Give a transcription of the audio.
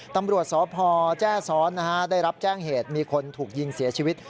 ตำรวจสพแจ้ซ้อนได้รับแจ้งเหตุมีคนถูกยิงเสียชีวิต